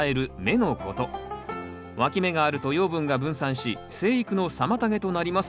わき芽があると養分が分散し生育の妨げとなります。